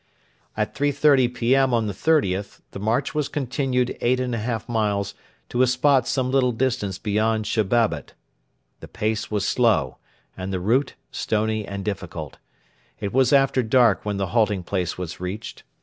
At 3.30 P.M. on the 30th the march was continued eight and a half miles to a spot some little distance beyond Shebabit. The pace was slow, and the route stony and difficult. It was after dark when the halting place was reached.